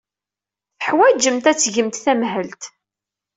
Teḥwajemt ad tgemt tamhelt.